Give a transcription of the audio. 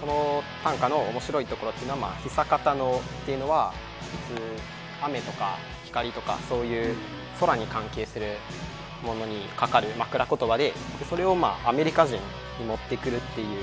この短歌の面白いところっていうのは「久方の」っていうのは普通「雨」とか「光」とかそういう空に関係するものにかかる枕ことばでそれを「アメリカ人」に持ってくるっていう。